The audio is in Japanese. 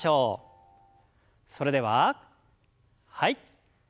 それでははい。